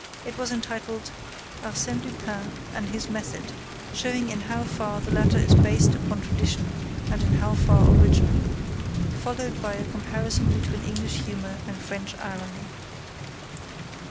It was entitled, _Arsène Lupin and his method, showing in how far the latter is based upon tradition and in how far original. Followed by a comparison between English humor and French irony.